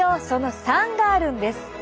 その３があるんです。